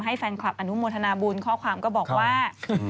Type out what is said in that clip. แฟนคลับอนุโมทนาบุญข้อความก็บอกว่า